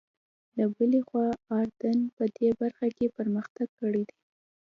له بلې خوا اردن په دې برخه کې پرمختګ کړی دی.